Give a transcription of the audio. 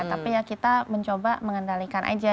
tapi ya kita mencoba mengendalikan aja